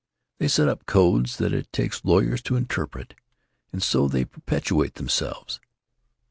They set up codes that it takes lawyers to interpret, and so they perpetuate themselves.